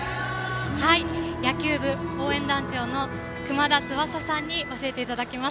野球部応援団長のくまだつばささんに教えていただきます。